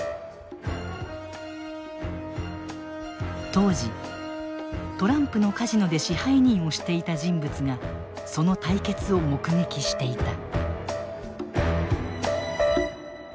当時トランプのカジノで支配人をしていた人物がその対決を目撃していた。